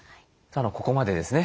ここまでですね